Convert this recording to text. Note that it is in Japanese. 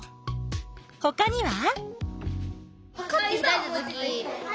ほかには？